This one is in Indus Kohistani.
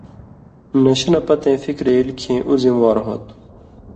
نشہ نہ پتَیں فِکرے ایل کھیں اُو ذِموار ہو تُھو۔